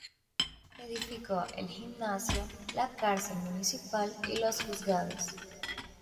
Edificó el gimnasio, la cárcel municipal y los juzgados.